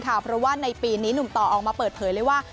เพราะว่าในปีนี้หนุ่มต่อออกมาเปิดเผยเลยว่า